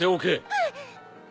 あっ。